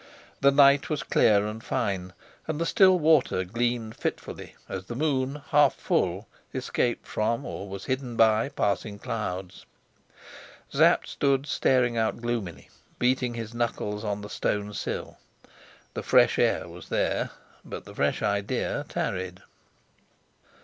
The night was clear and fine, and the still water gleamed fitfully as the moon, half full, escaped from or was hidden by passing clouds. Sapt stood staring out gloomily, beating his knuckles on the stone sill. The fresh air was there, but the fresh idea tarried.